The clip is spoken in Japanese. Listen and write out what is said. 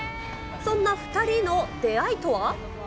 そんな２人の出会いとは。